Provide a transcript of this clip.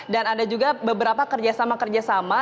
dan ada juga beberapa kerjasama kerjasama